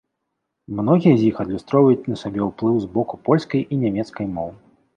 Многія з іх адлюстроўваюць на сабе ўплыў з боку польскай і нямецкай моў.